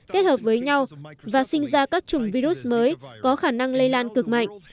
kết hợp với nhau và sinh ra các chủng virus mới có khả năng lây lan cực mạnh